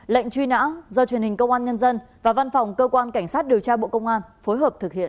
lệnh truy nã do truyền hình công an nhân dân và văn phòng cơ quan cảnh sát điều tra bộ công an phối hợp thực hiện